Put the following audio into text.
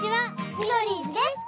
ミドリーズです！